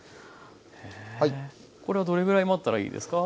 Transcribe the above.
これはどれぐらい待ったらいいですか？